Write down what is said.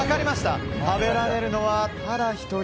食べられるのは、ただ１人。